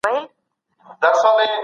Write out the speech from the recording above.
د هغې حساسيتونو ته پام وکړي